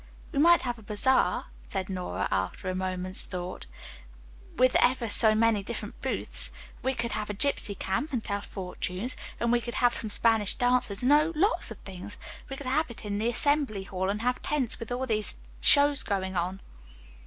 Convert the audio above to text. "We might have a bazaar," said Nora after a moment's thought, "with ever so many different booths. We could have a gypsy camp, and tell fortunes, and we could have some Spanish dancers, and, oh, lots of things. We could have it in Assembly Hall and have tents with all these shows going on."